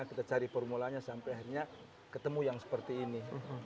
kita cari formulanya sampai akhirnya ketemu yang seperti ini